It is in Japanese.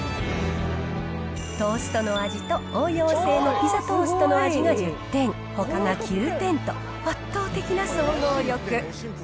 トーストの味と応用性のピザトーストの味が１０点、ほかが９点と、圧倒的な総合力。